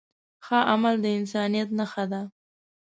ښه عمل د انسانیت نښه ده.